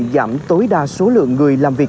giảm tối đa số lượng người làm việc